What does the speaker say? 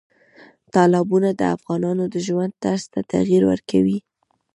تالابونه د افغانانو د ژوند طرز ته تغیر ورکوي.